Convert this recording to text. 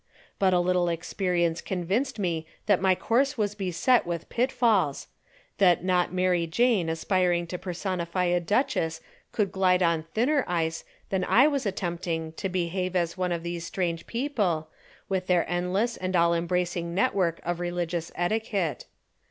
But a little experience convinced me that my course was beset with pitfalls, that not Mary Jane aspiring to personify a duchess could glide on thinner ice than I attempting to behave as one of these strange people, with their endless and all embracing network of religious etiquette.